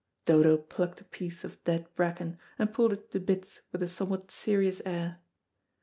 Dodo plucked a piece of dead bracken, and pulled it to bits with a somewhat serious air.